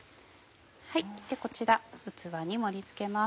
こちら器に盛り付けます。